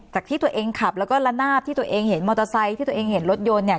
จากที่ตัวเองขับแล้วก็ละนาบที่ตัวเองเห็นมอเตอร์ไซค์ที่ตัวเองเห็นรถยนต์เนี่ย